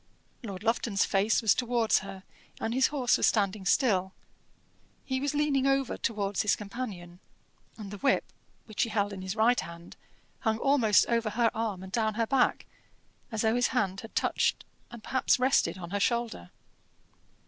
Lord Lufton's face was towards her, and his horse was standing still; he was leaning over towards his companion, and the whip, which he held in his right hand, hung almost over her arm and down her back, as though his hand had touched and perhaps rested on her shoulder.